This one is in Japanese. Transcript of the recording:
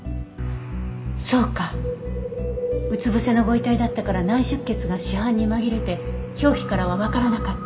そうかうつ伏せのご遺体だったから内出血が死斑に紛れて表皮からはわからなかった。